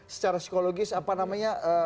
secara psikologis apa namanya